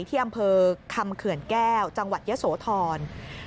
ที่อำเภอคำเขื่อนแก้วจังหวัดยะโสธร